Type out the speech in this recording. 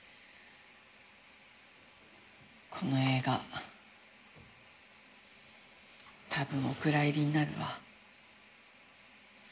この映画多分お蔵入りになるわ。